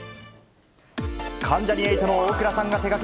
関ジャニ∞の大倉さんが手が